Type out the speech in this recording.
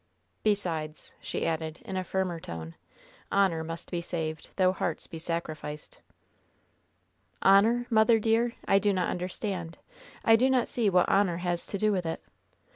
Besides," she added, in a firmer tone, "honor must be saved, though hearts be sacrificed." "'Honor,' mother dear? I do not understand. I do not see what honor has to do with it.